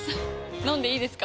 飲んでいいですか？